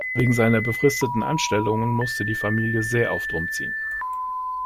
Wegen seiner befristeten Anstellungen musste die Familie sehr oft umziehen.